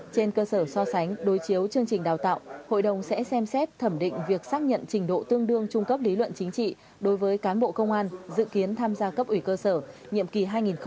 trên cơ sở so sánh đối chiếu chương trình đào tạo hội đồng sẽ xem xét thẩm định việc xác nhận trình độ tương đương trung cấp lý luận chính trị đối với cán bộ công an dự kiến tham gia cấp ủy cơ sở nhiệm kỳ hai nghìn hai mươi hai nghìn hai mươi năm